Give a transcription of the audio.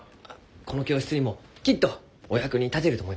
この教室にもきっとお役に立てると思います。